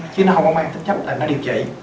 chứ nó không có mang tính chấp là nó điều trị